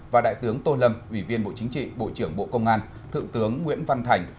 và đại tướng tô lâm ủy viên bộ chính trị bộ trưởng bộ công an thượng tướng nguyễn văn thành